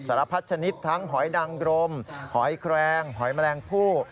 สารพัดชนิดทั้งหอยนางรมหอยแครงหอยแมลงผู้